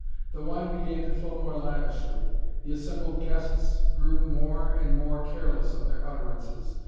The wine began to flow more lavishly. The assembled guests grew more and more careless of their utterances.